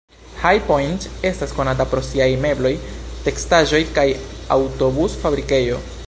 High Point estas konata pro siaj mebloj, teksaĵoj, kaj aŭtobus-fabrikejo.